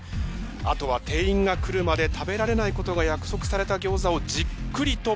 あとは店員が来るまで食べられないことが約束されたギョーザをじっくりとパス回し。